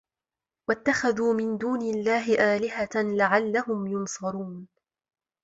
وَاتَّخَذوا مِن دونِ اللَّهِ آلِهَةً لَعَلَّهُم يُنصَرونَ